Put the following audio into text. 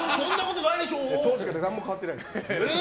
当時から何も変わってないです。